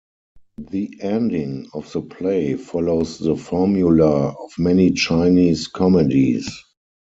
The ending of the play follows the formula of many Chinese comedies.